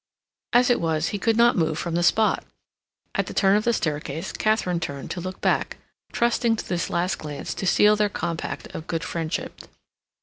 As it was he could not move from the spot. At the turn of the staircase Katharine turned to look back, trusting to this last glance to seal their compact of good friendship.